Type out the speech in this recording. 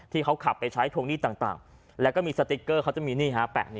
ที่เขาขับไปใช้ทวงหนี้ต่างแล้วก็มีสติ๊กเกอร์เขาจะมีนี่ฮะ